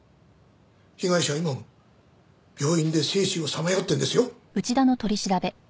被害者は今も病院で生死をさまよってるんですよ。